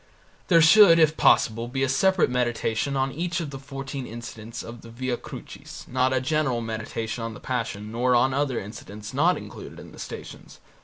There should if possible be a separate meditation on each of the fourteen incidents of the Via Crucis, not a general meditation on the Passion nor on other incidents not included in the Stations.